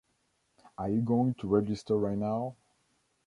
Are you going to register right now?